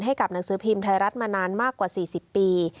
ให้กับหนังสือพิมพ์ไทยรัฐมานานมากกว่า๔๐ปี